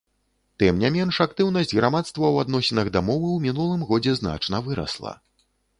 Тым не менш актыўнасць грамадства ў адносінах да мовы ў мінулым годзе значна вырасла.